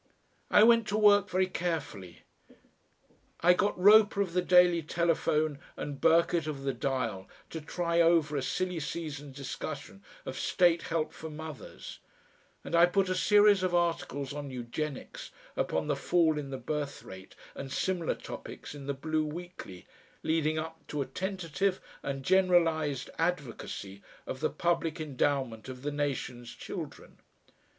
I went to work very carefully. I got Roper of the DAILY TELEPHONE and Burkett of the DIAL to try over a silly season discussion of State Help for Mothers, and I put a series of articles on eugenics, upon the fall in the birth rate, and similar topics in the BLUE WEEKLY, leading up to a tentative and generalised advocacy of the public endowment of the nation's children.